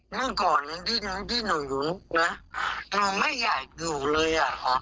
เมื่อก่อนที่น้องที่หนูนะหนูไม่อยากอยู่เลยอ่ะค่ะ